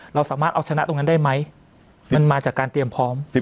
เราสามารถเอาชนะตรงนั้นได้ไหมมันมาจากการเตรียมพร้อม